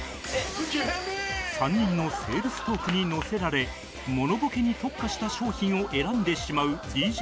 ３人のセールストークに乗せられモノボケに特化した商品を選んでしまう ＤＪＫＯＯ